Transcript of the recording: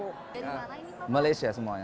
maksudnya apa yang kalian inginkan untuk orang lain